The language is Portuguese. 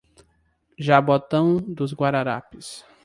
Jaboatão dos Guararapes